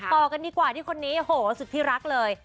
ต่อกันดีกว่าที่คนนี้โหสุดที่รักเลย